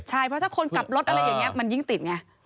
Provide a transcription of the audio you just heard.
ใช่เพราะถ้าคนกลับรถอะไรอย่างนี้มันยิ่งติดไง